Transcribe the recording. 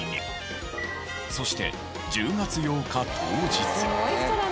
そして１０月８日当日。